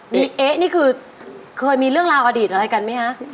มีเอ๊ะนี่คือเคยมีเรื่องราวอดีตอะไรกันไหมคะ